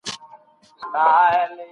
هر مامور د خپل کار پر وخت تمرکز وساتي.